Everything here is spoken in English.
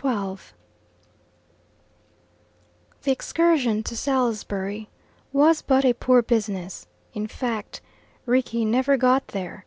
XII The excursion to Salisbury was but a poor business in fact, Rickie never got there.